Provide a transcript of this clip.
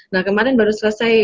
nah kemarin baru selesai